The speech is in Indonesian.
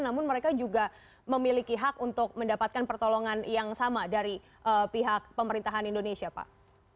namun mereka juga memiliki hak untuk mendapatkan pertolongan yang sama dari pihak pemerintahan indonesia pak